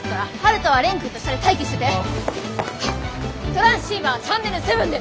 トランシーバーチャンネル７で！